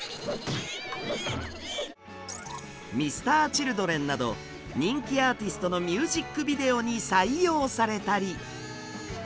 Ｍｒ．Ｃｈｉｌｄｒｅｎなど人気アーティストのミュージックビデオに採用されたり。